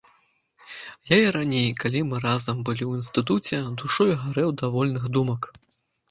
Я і раней, калі мы разам былі ў інстытуце, душой гарэў да вольных думак.